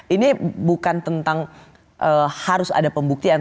ini bukan tentang harus ada pembuktian